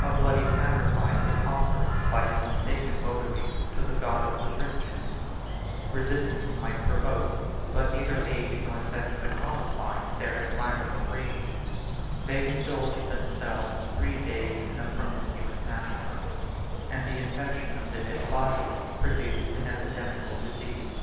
A bloody sacrifice was offered by his mistaken votaries to the God of the Christians: resistance might provoke but neither age nor sex could mollify, their implacable rage: they indulged themselves three days in a promiscuous massacre; 110 and the infection of the dead bodies produced an epidemical disease.